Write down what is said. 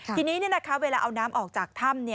ทีนี้เวลาเอาน้ำออกจากถ้ำ